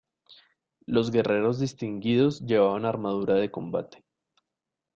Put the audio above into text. Los guerreros distinguidos llevaban armadura de combate.